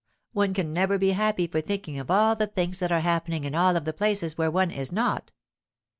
One can never be happy for thinking of all the things that are happening in all of the places where one is not.